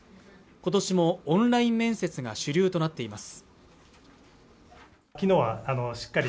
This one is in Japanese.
今年もオンライン面接が主流となっています